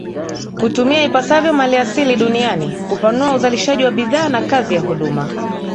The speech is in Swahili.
kutumia ipasavyo maliasili duniani kupanua uzalishaji wa bidhaa na kazi ya huduma